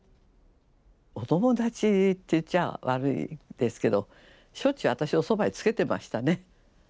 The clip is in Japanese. お友達って言っちゃ悪いですけどしょっちゅう私をそばへつけてましたね。